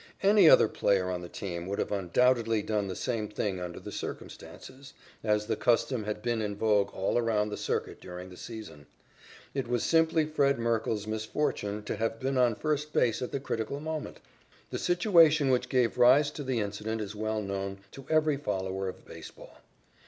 Any other player on the team would have undoubtedly done the same thing under the circumstances, as the custom had been in vogue all around the circuit during the season. It was simply Fred Merkle's misfortune to have been on first base at the critical moment. The situation which gave rise to the incident is well known to every follower of baseball.